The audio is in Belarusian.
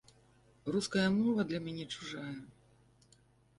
Руская мова для мяне чужая.